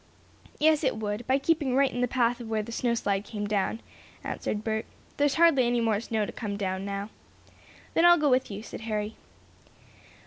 "Yes, it would, by keeping right in the path of where the snow slide came down," answered Bert. "There's hardly any more snow to come down, now." "Then I'll go with you," said Harry.